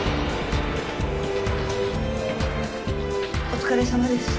お疲れさまです。